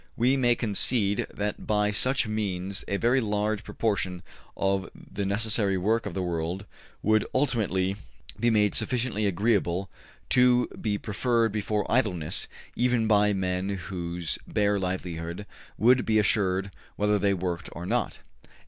We may concede that by such means a very large proportion of the necessary work of the world could ultimately be made sufficiently agreeable to be preferred before idleness even by men whose bare livelihood would be assured whether they worked or not.